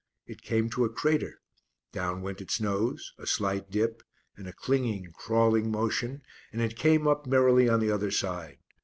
It came to a crater. Down went its nose; a slight dip, and a clinging, crawling motion, and it came up merrily on the other side.